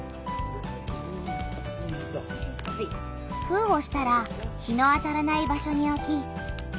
封をしたら日の当たらない場所におき